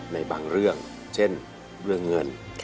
ในบางเรื่องเช่นเรื่องเงิน